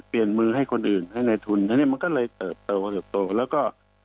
เปลี่ยนมือให้คนอื่นให้ในทุนอันนี้มันก็เลยเติบโตเติบโตแล้วก็